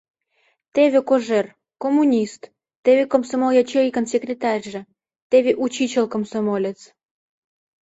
Теве Кожер — коммунист, теве комсомол ячейкын секретарьже, теве учичыл комсомолец.